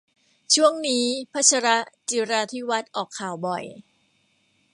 ช่วงนี้ พชร จิราธิวัฒน์ ออกข่าวบ่อย